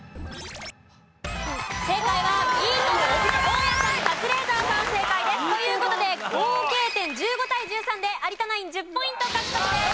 正解はビート板で大家さんカズレーザーさん正解です。という事で合計点１５対１３で有田ナイン１０ポイント獲得です。